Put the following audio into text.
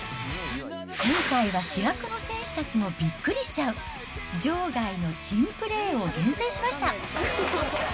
今回は主役の選手たちもびっくりしちゃう、場外の珍プレーを厳選しました。